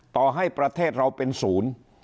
ต่อให้ประเทศเราเป็นศูนย์